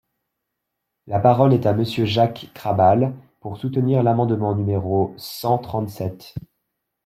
La parole est à Monsieur Jacques Krabal, pour soutenir l’amendement numéro cent trente-sept.